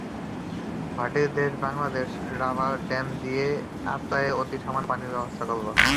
ভাটির দেশ Bangladesh rubber dam দিয়ে আত্রাইয়ে অতি সামান্য পানির ব্যবস্থা করল।